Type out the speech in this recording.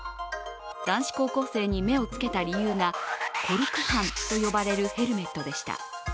男子高校生に目をつけた理由が、コルク半と呼ばれるヘルメットでした。